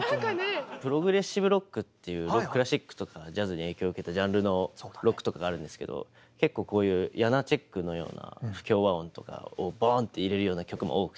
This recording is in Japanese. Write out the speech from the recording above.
「プログレッシブロック」っていうクラシックとかジャズに影響を受けたジャンルのロックとかがあるんですけど結構こういうヤナーチェクのような不協和音とかをボンって入れるような曲も多くて。